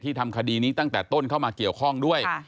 ทำคดีนี้ตั้งแต่ต้นเข้ามาเกี่ยวข้องด้วย